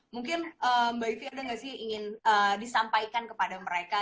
mungkin mbak ivi ada nggak sih ingin disampaikan kepada mereka